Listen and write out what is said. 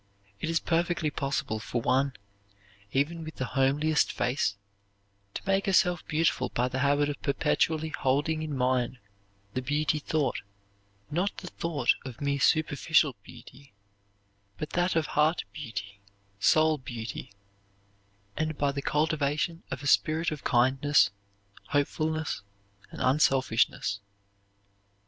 It is perfectly possible for one, even with the homeliest face, to make herself beautiful by the habit of perpetually holding in mind the beauty thought, not the thought of mere superficial beauty, but that of heart beauty, soul beauty, and by the cultivation of a spirit of kindness, hopefulness, and unselfishness.